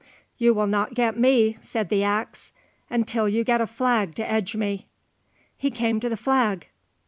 "You will not get me," said the axe, "until you get a flag to edge me." He came to the flag.